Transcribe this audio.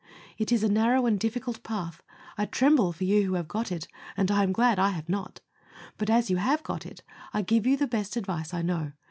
It is a narrow and difficult path. I tremble for you who have got it, and I am glad I have not; but as you have got it, I give you the best advice I know.